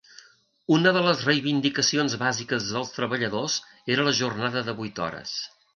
Una de les reivindicacions bàsiques dels treballadors era la jornada de vuit hores.